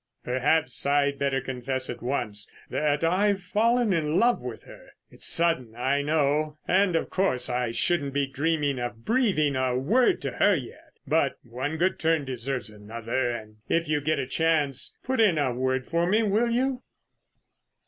Perhaps I'd better confess at once that I've fallen in love with her! It's sudden, I know, and, of course, I shouldn't dream of breathing a word to her yet. But—one good turn deserves another, and if you get a chance put in a word for me, will you?"